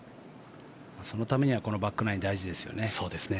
そのためにはこのバックナイン大事ですよね。